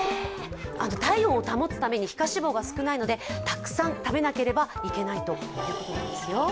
体温を保つために、皮下脂肪が少ないのでたくさん食べなければいけないということなんですよ。